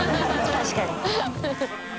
確かに。